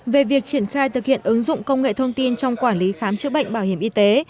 về việc triển khai thực hiện ứng dụng công nghệ thông tin trong quản lý khám chữa bệnh bảo hiểm y tế